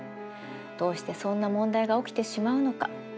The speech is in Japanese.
どうしてそんな問題が起きてしまうのか。